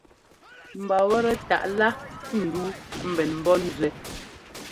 Mba wɛ́tɛ́ taʼ lá ndúu mbɛn mbɔ́ nzúɛ́.